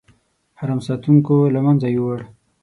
حرم ساتونکو له منځه یووړ.